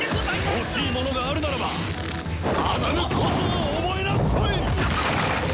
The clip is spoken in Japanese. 欲しいものがあるならば欺くことを覚えなさい！